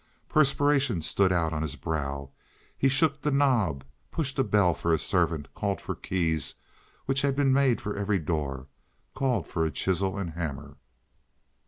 Perspiration stood out on his brow. He shook the knob, pushed a bell for a servant, called for keys which had been made for every door, called for a chisel and hammer.